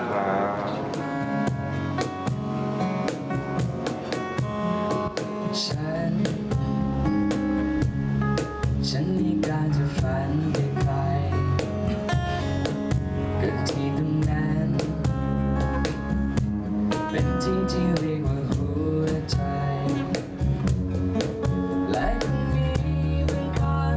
เวิร์กเรียนคราวนี้ขอบคุณพี่มากนะคะขอบคุณค่ะ